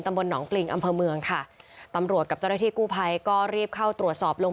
ตำบลหนองปลิงอำเพิงค่ะตำรวจกับเจ้าแนคที่กู้ภัยก็รีบเข้าตรวจสอบลงพื้นที่เลย